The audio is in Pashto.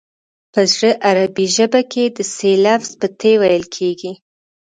په زړه عربي ژبه کې د ث لفظ په ت ویل کیږي